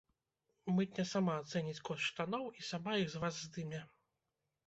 Мытня сама ацэніць кошт штаноў і сама іх з вас здыме.